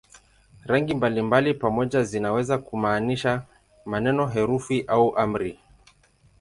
Rangi mbalimbali pamoja zinaweza kumaanisha maneno, herufi au amri.